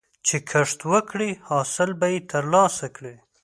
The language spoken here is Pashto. چې کښت وکړې، حاصل به یې ترلاسه کړې.